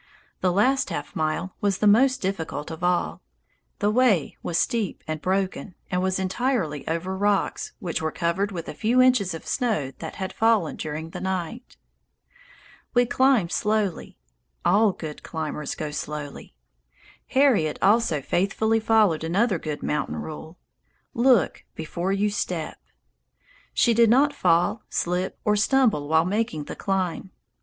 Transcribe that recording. The last half mile was the most difficult of all; the way was steep and broken, and was entirely over rocks, which were covered with a few inches of snow that had fallen during the night. We climbed slowly; all good climbers go slowly. Harriet also faithfully followed another good mountain rule, "Look before you step." She did not fall, slip, or stumble while making the climb.